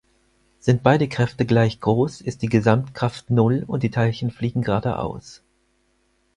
Sind beide Kräfte gleich groß, ist die Gesamtkraft Null und die Teilchen fliegen geradeaus.